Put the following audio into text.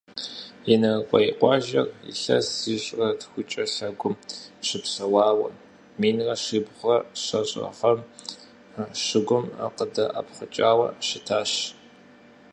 Инарыкъуей къуажэр илъэс ищӏрэ тхукӏэ лъэгум щыпсэуауэ, минрэ щибгъурэ щэщӏ гъэм щыгум къыдэӏэпхъукӏауэ щытащ.